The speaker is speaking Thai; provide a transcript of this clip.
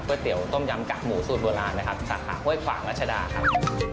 เตี๋ยวต้มยำกักหมูสูตรโบราณนะครับสาขาห้วยขวางรัชดาครับ